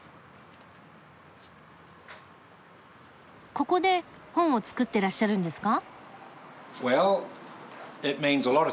ここで本を作ってらっしゃるんですか？